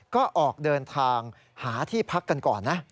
ก็ออกเดินทางหาที่พักกันก่อนนะ